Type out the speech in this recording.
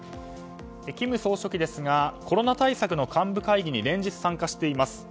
金総書記ですがコロナ対策の幹部会議に連日、参加しています。